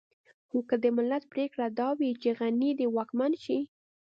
خو که د ملت پرېکړه دا وي چې غني دې واکمن شي.